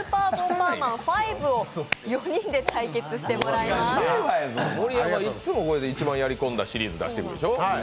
いつもこれで一番やりこんだシリーズ出してくるでしょ。